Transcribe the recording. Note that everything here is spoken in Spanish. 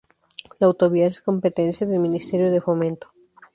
La autovía es competencia del Ministerio de Fomento.